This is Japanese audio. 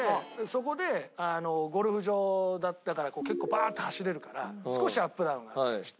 そこでゴルフ場だから結構バーッて走れるから少しアップダウンがあったりして。